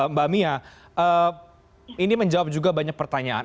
mbak mia ini menjawab juga banyak pertanyaan